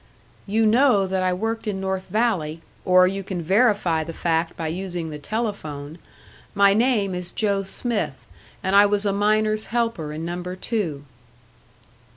"You know that I worked in North Valley or you can verify the fact by using the telephone. My name is Joe Smith, and I was a miner's helper in Number Two."